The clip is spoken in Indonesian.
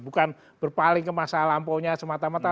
bukan berpaling ke masa lampaunya semata mata